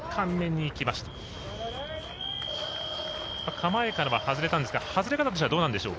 構えからは外れたんですが外れ方としてはどうでしょう。